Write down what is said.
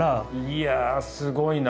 いやすごいな。